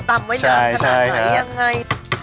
ตำไว้เดินขนาดไหนอย่างไรใช่